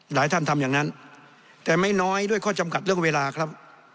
ท่านทำอย่างนั้นแต่ไม่น้อยด้วยข้อจำกัดเรื่องเวลาครับ